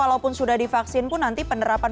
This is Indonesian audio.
walaupun sudah divaksin pun nanti penerapan